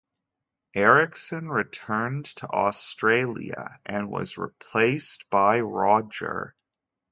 Erikson returned to Australia and was replaced by Rodger.